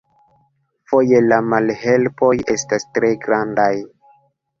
Foje la malhelpoj estas tre grandaj!